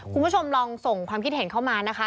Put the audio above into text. คุณผู้ชมลองส่งความคิดเห็นเข้ามานะคะ